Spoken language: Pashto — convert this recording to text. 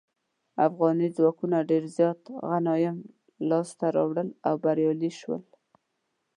افغاني ځواکونو ډیر زیات غنایم لاسته راوړل او بریالي شول.